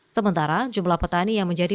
sementara jumlah petani yang menjadi